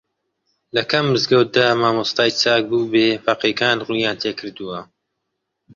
لە کام مزگەوتدا مامۆستای چاک بووبێ فەقێکان ڕوویان تێکردووە